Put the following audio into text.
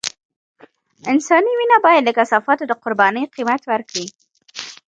انساني وينه بايد د کثافاتو د قربانۍ قيمت ورکړي.